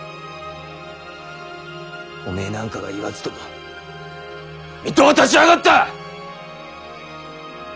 おめえなんかが言わずとも水戸は立ち上がった！